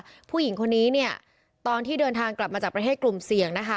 ผู้หญิงคนนี้เนี่ยตอนที่เดินทางกลับมาจากประเทศกลุ่มเสี่ยงนะคะ